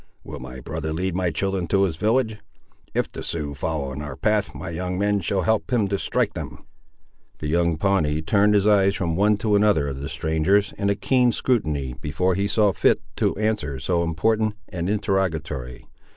Will my brother lead my children to his village? If the Siouxes follow on our path, my young men shall help him to strike them." The young Pawnee turned his eyes from one to another of the strangers, in a keen scrutiny, before he saw fit to answer so important an interrogatory.